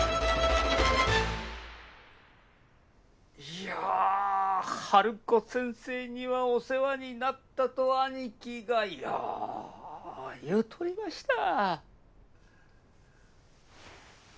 いやハルコ先生にはお世話になったと兄貴がよう言うとりました。